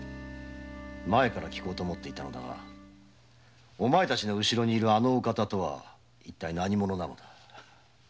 前から聞こうと思っていたのだがお前たちの後ろにいるあのお方とは何者なのだ？